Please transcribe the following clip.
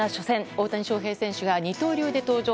大谷翔平選手が二刀流で登場。